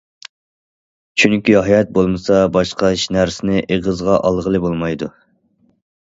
چۈنكى ھايات بولمىسا، باشقا ھېچ نەرسىنى ئېغىزغا ئالغىلى بولمايدۇ.